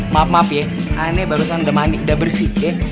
maaf maaf ya aneh barusan udah manik udah bersih